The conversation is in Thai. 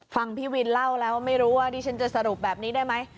ฟังพี่วินเล่าแล้วไม่รู้ว่าดิฉันจะสรุปแบบนี้ได้ไหม